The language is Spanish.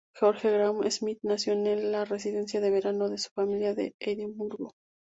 George Graham Smith nació en la residencia de verano de su familia en Edimburgo.